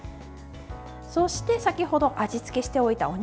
そして先程味付けしておいたお肉。